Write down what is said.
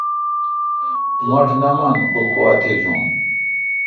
مٹھ نہ من کو گوا تھجیون ۔